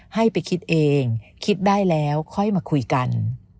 ให้ไปคิดเองคิดได้แล้วค่อยมาคุยกัน